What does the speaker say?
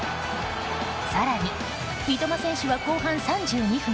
更に三笘選手は後半３２分。